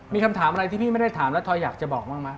มีคำถามอะไรที่พี่ไม่ได้ถามแล้วทอยอยากจะบอกบ้างไหม